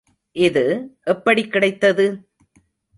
இது எப்படிக் கிடைத்தது?